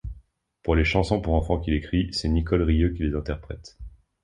Pour les chansons pour enfants qu'il écrit, c'est Nicole Rieu qui les interprète.